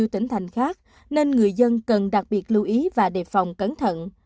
còn như tỉnh thành khác nên người dân cần đặc biệt lưu ý và đề phòng cẩn thận